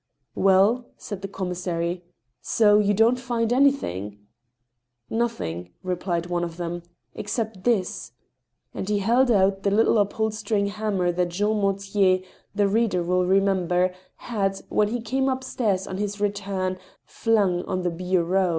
" Well," said the commissary, " so you don't find anything ?"•* Nothing," replied one of them, " except this," and he held out the little upholstering hammer that Jean Mortier, the reader will remember, had, when he came up stairs on his return, flung on the bureau.